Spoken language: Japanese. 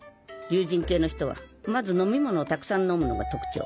龍神系の人はまず飲み物をたくさん飲むのが特徴。